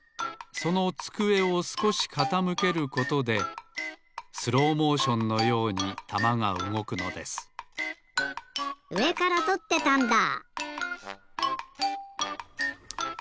そのつくえをすこしかたむけることでスローモーションのようにたまがうごくのですうえからとってたんだ！